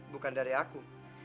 bukan dari aku